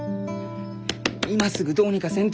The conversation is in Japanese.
今すぐどうにかせんと！